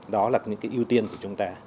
đó là những cái ưu tiên của chúng ta